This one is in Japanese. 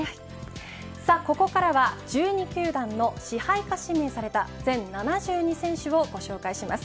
さあ、ここからは１２球団の支配下指名された全７２選手をご紹介します。